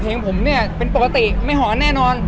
เพลงผมเนี่ยเป็นปกติไม่หอนแน่นอน